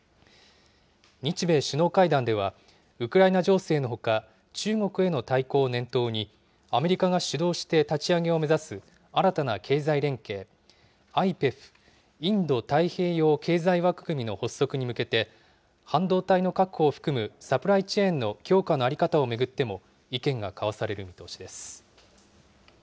日米首脳会談では、ウクライナ情勢のほか、中国への対抗を念頭にアメリカが主導して立ち上げを目指す新たな経済連携、ＩＰＥＦ・インド太平洋経済枠組みの発足に向けて、半導体の確保を含むサプライチェーンの強化の在り方を巡っても、意見が交わされる見通しです。